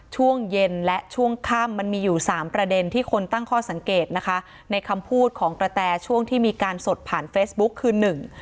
ช่วงเย็นและช่วงค่ำมันมีอยู่สามประเด็นที่คนตั้งข้อสังเกตนะคะในคำพูดของกระแตช่วงที่มีการสดผ่านเฟซบุ๊กคือหนึ่ง